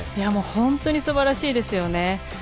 本当にすばらしいですよね。